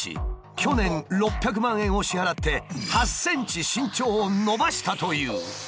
去年６００万円を支払って８ｃｍ身長を伸ばしたという。